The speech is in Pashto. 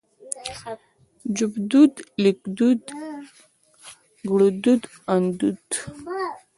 ژبدود ليکدود ګړدود اندود